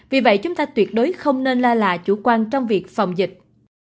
vì vậy chúng ta tuyệt đối không nên lơ là chủ quan trong việc phòng dịch